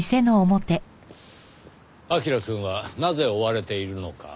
彬くんはなぜ追われているのか。